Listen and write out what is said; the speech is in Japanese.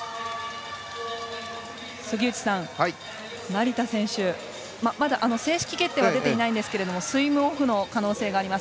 杉内さん、成田選手まだ正式決定は出ていないんですがスイムオフの可能性があります。